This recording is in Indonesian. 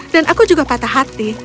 dan aku juga patah hati